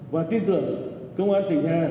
và tin tưởng công an tỉnh hà